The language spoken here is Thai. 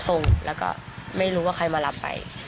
ส่งแล้วก็ไม่รู้ว่าใครมารับไป